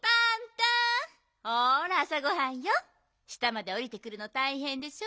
下までおりてくるのたいへんでしょ？